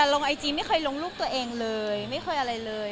ลงไอจีไม่เคยลงรูปตัวเองเลยไม่เคยอะไรเลย